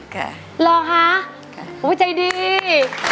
ค่ะรอค่ะค่ะอุ้ยใจดี